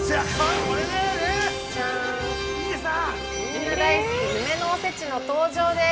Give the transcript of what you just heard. みんな大好き夢のおせちの登場です。